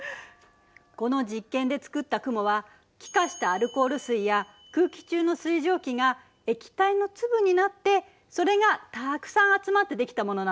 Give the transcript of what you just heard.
この実験でつくった雲は気化したアルコール水や空気中の水蒸気が液体の粒になってそれがたくさん集まってできたものなの。